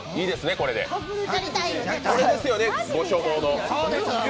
これですよね、ご所望の。